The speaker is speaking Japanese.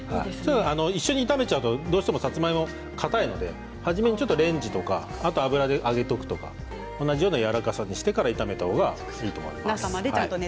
一緒に炒めちゃうと、どうしてもさつまいもはかたいので初めにレンジとか油で揚げておくとか同じようなやわらかさにしてから炒めた方がいいと思います。